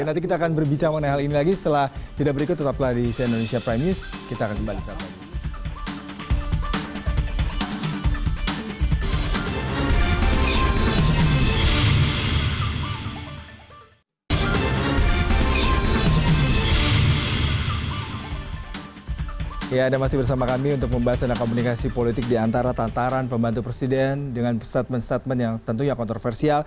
nanti kita akan berbicara mengenai hal ini lagi setelah tidak berikut tetap lagi di indonesia prime news